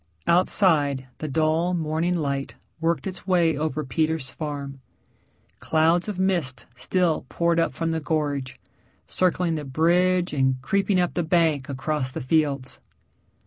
Outside the dull morning light worked its way over Peter's farm clouds of mist still poured up from the gorge, circling the bridge and creeping up the bank across the fields.